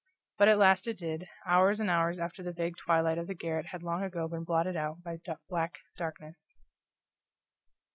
But at last it did, hours and hours after the vague twilight of the garret had long ago been blotted out by black darkness.